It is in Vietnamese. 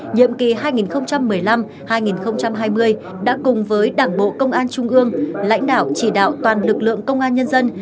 nhiệm kỳ hai nghìn một mươi năm hai nghìn hai mươi đã cùng với đảng bộ công an trung ương lãnh đạo chỉ đạo toàn lực lượng công an nhân dân